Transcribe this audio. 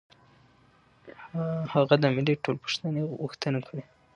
هغه د ملي ټولپوښتنې غوښتنه کړې.